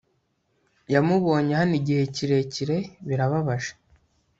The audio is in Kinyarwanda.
yamubonye hano igihe kirekire, birababaje